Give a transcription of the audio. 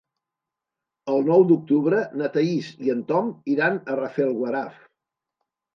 El nou d'octubre na Thaís i en Tom iran a Rafelguaraf.